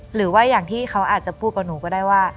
หรือว่าอย่างที่เขาอาจจะพูดกับหนูก็ได้ว่า